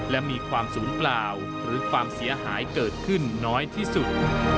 และมีความศูนย์เปล่าหรือความเสียหายเกิดขึ้นน้อยที่สุด